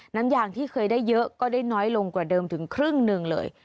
น้ำยางที่เคยได้เยอะก็ได้น้อยลงกว่าเดิมถึงครึ่งหนึ่งเลย